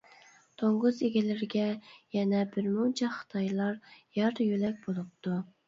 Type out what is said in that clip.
توڭگۇز ئىگىلىرىگە يەنە بىر مۇنچە خىتايلار يار-يۆلەك بولۇپتۇ.